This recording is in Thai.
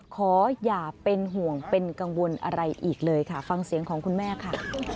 ขออย่าเป็นห่วงเป็นกังวลอะไรอีกเลยค่ะฟังเสียงของคุณแม่ค่ะ